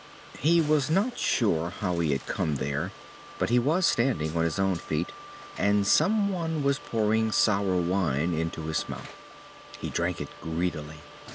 He was not sure how he had come there, but he was standing on his own feet, and someone was pouring sour wine into his mouth. He drank it greedily.